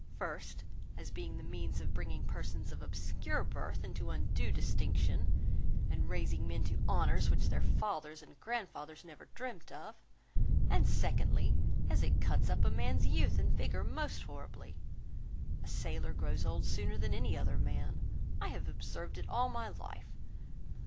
First, as being the means of bringing persons of obscure birth into undue distinction, and raising men to honours which their fathers and grandfathers never dreamt of; and secondly, as it cuts up a man's youth and vigour most horribly; a sailor grows old sooner than any other man. I have observed it all my life.